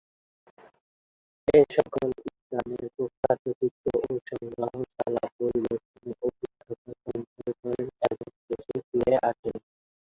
এ সকল স্থানের প্রখ্যাত চিত্র ও সংগ্রহশালা পরিদর্শনে অভিজ্ঞতা সঞ্চয় করেন এবং দেশে ফিরে আসেন।